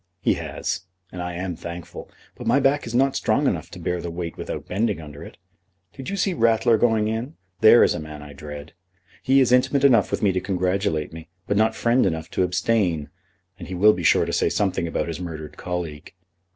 "He has; and I am thankful. But my back is not strong enough to bear the weight without bending under it. Did you see Ratler going in? There is a man I dread. He is intimate enough with me to congratulate me, but not friend enough to abstain, and he will be sure to say something about his murdered colleague.